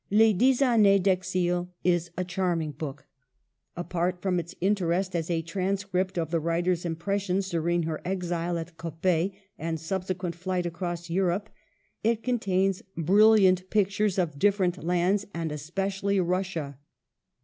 Les Dix Annies dExil is a charming book. Apart from its interest as a transcript of the writer's impressions during her exile at Coppet and subsequent flight across Europe, it contains brilliant pictures of different lands, and especially Russia.